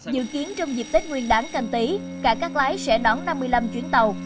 dự kiến trong dịp tết nguyên đáng canh tí cảng cắt lái sẽ đón năm mươi năm chuyến tàu